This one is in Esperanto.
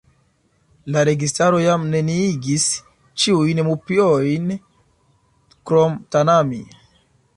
La registaro jam neniigis ĉiujn mupiojn krom Tanami.